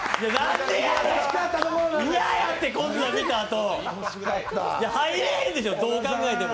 嫌やってこんな見たあと、入れへんでしょ、どう考えても。